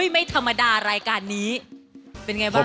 ไม่ธรรมดารายการนี้เป็นไงบ้าง